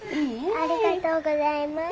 ありがとうございます。